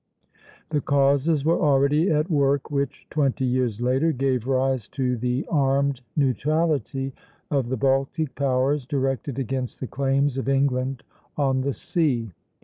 " The causes were already at work which twenty years later gave rise to the "armed neutrality" of the Baltic powers, directed against the claims of England on the sea.